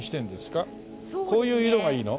こういう色がいいの？